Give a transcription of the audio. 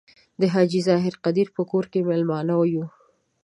د حاجي ظاهر قدیر په کور کې میلمانه یو.